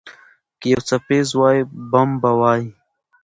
که یو څپیز وای، بم به وای.